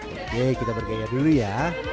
oke kita bergaya dulu ya